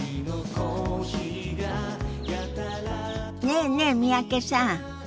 ねえねえ三宅さん。